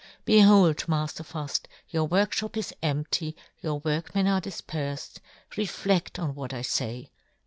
Behold, Mafter Fuft, your " workfhop is empty, your workmen " are difperfed — refleft on what I " fay